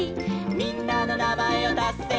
「みんなのなまえをたせば」